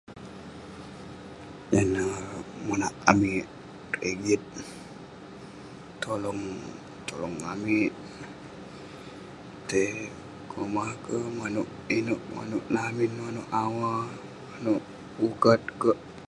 Yan neh monak amik rigit, tolong- tolong amik. tei komah kek, manouk inouk manouk lamin, manouk awa, manouk ukat kek.